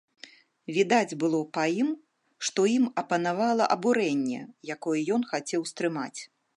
Відаць было па ім, што ім апанавала абурэнне, якое ён хацеў стрымаць.